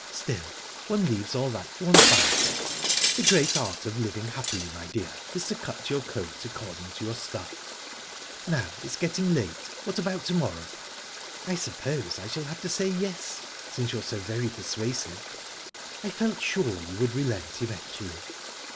still, one leaves all that to one's banker. The great art of living happily, my dear, is to cut your coat according to your stuff...Now, it's getting late what about to morrow?" "I suppose I shall have to say 'Yes,' since you're so very persuasive." "I felt sure you would relent eventually."